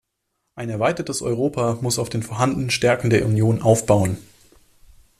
Ein erweitertes Europa muss auf den vorhandenen Stärken der Union aufbauen.